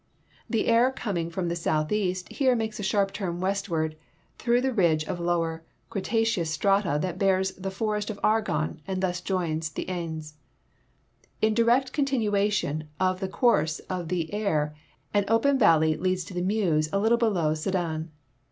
The Aire coming from the southeast here makes a sharp turn west ward through the ridge of lower Cretaceous strata that bears the forest of Argonne and thus joins the Aisne. In direct continua tion of the course of the Aire an oi)en valley leads to the Meuse a little below Sedan.